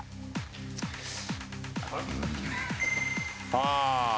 ああ。